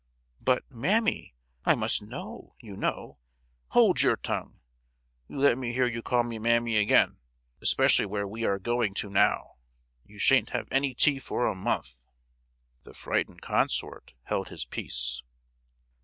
"But—mammy—I must know, you know——" "Hold your tongue! You let me hear you call me mammy again, especially where we are going to now! you sha'n't have any tea for a month!" The frightened consort held his peace.